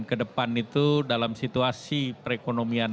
kedepan itu dalam situasi perekonomian